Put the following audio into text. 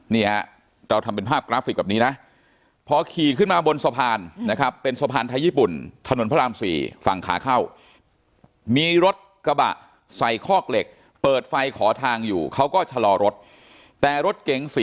เนี่ยเราทำเป็นภาพกราฟิกแบบนี้นะพอขี่ขึ้นมาบนสะพานนะครับ